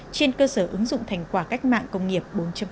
trên cơ sở ứng dụng thành quả cách mạng công nghiệp bốn